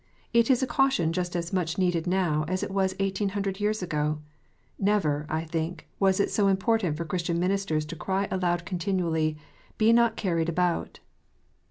It is a caution just as much needed now as it was eighteen hundred years ago. Never, I think, was it so important for Christian ministers to cry aloud continually, " Be not carried about."